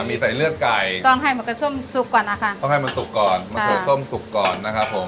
ต้องให้มะเขือส้มสุกก่อนนะคะต้องให้มะเขือส้มสุกก่อนมะเขือส้มสุกก่อนนะครับผม